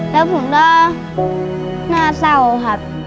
แล้วผมก็น่าเศร้าครับ